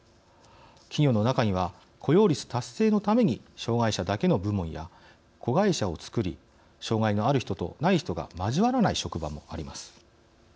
企業の中には雇用率達成のために障害者だけの部門や子会社を作り障害のある人とない人が交わらない職場もあります。